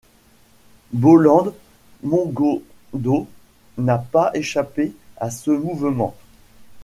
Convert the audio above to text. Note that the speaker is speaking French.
Bolaang Mongondow n'a pas échappé à ce mouvement.